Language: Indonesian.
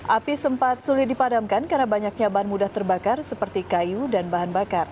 api sempat sulit dipadamkan karena banyaknya bahan mudah terbakar seperti kayu dan bahan bakar